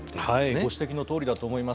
ご指摘のとおりだと思います。